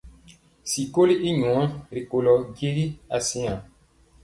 Sikoli i nwaa kolɔ jegi asiŋa.